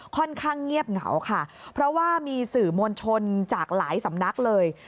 ค่อนข้างเงียบเหงาค่ะเพราะว่ามีสื่อมวลชนจากหลายสำนักเลย